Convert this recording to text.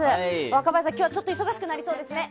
若林さん、今日はちょっと忙しくなりそうですね。